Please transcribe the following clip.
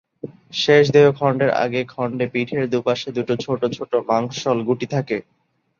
শেষ দেহ খণ্ডের আগের খণ্ডে পিঠের দুপাশে দুটো ছোট ছোট মাংসল গুটি থাকে।